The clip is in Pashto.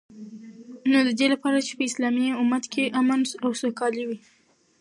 نو ددی لپاره چی په اسلامی امت کی امن او سوکالی وی